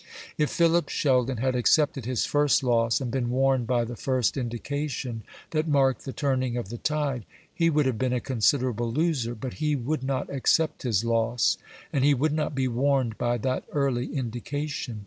If Philip Sheldon had accepted his first loss, and been warned by the first indication that marked the turning of the tide, he would have been a considerable loser; but he would not accept his loss, and he would not be warned by that early indication.